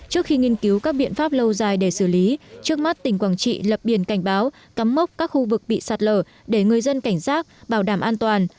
trước khi nghiên cứu các biện pháp lâu dài để xử lý trước mắt tỉnh quảng trị lập biển cảnh báo cắm mốc các khu vực bị sạt lở để người dân cảnh giác bảo đảm an toàn